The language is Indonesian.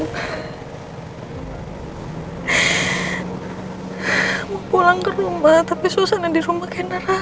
saya mau pulang ke rumah tapi suasana di rumah seperti neraka